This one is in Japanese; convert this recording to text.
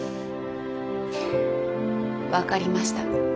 分かりました。